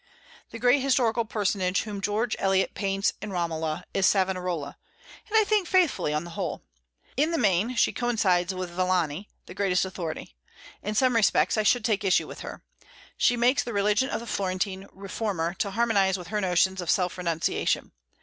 The great historical personage whom George Eliot paints in "Romola" is Savonarola, and I think faithfully, on the whole. In the main she coincides with Villani, the greatest authority. In some respects I should take issue with her. She makes the religion of the Florentine reformer to harmonize with her notions of self renunciation.